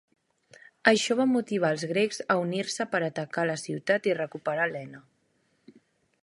Això va motivar als grecs a unir-se per atacar la ciutat i recuperar Helena.